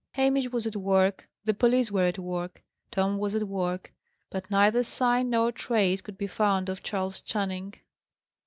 Hamish was at work; the police were at work; Tom was at work: but neither sign nor trace could be found of Charles Channing.